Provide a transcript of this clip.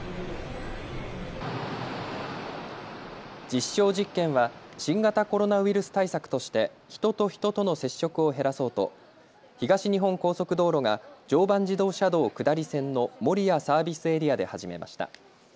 実証実験は新型コロナウイルス対策として人と人との接触を減らそうと東日本高速道路が常磐自動車道下り線の守谷サービスエリアで始めました。